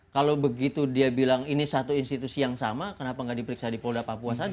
kalau begitu dia bilang ini satu institusi yang sama kenapa nggak diperiksa di polda papua saja